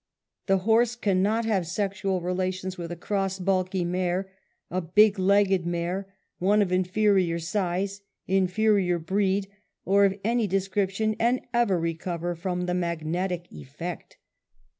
The horse cannot have sexual relations I with a cross balky mare, a big legged mare, one of 1 inferior size, inferior breed, or of any description I and ever recover from the magnetic eflfect.